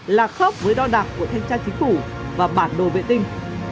là khớp với đo đạc của thanh tra chính phủ và bản đồ vệ tinh